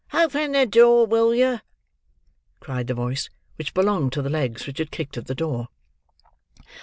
"Open the door, will yer?" cried the voice which belonged to the legs which had kicked at the door.